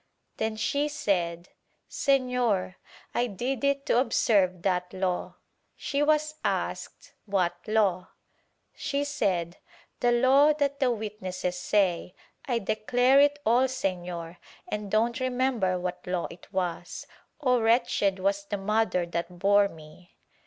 Then she said, "Sefior, I did it to observe that Law." She was asked what Law. She said, "The Law that the witnesses say — I declare it all Senor, and don't remember what Law it was — O, wretched was the mother that bore me."